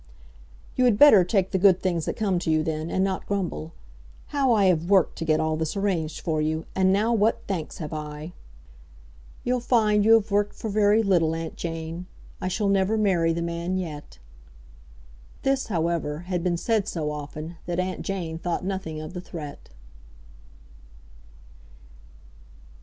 "You had better take the good things that come to you, then; and not grumble. How I have worked to get all this arranged for you, and now what thanks have I?" "You'll find you have worked for very little, Aunt Jane. I shall never marry the man yet." This, however, had been said so often that Aunt Jane thought nothing of the threat.